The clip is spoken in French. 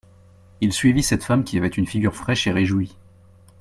Il suivit cette femme qui avait une figure fraîche et réjouie.